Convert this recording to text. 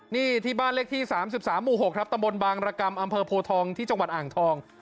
นี่ที่บ้านเลขที่๓๓หมู่๖ครับตำบลบางรกรรมอำเภอโพทองที่จังหวัดอ่างทอง